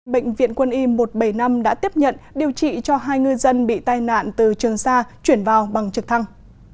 bệnh viện quân y một trăm bảy mươi năm đã tiếp nhận điều trị cho hai ngư dân bị tai nạn từ trường sa chuyển vào bằng trực thăng